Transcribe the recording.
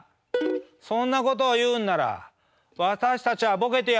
「そんなことを言うんなら私たちはボケてやる」。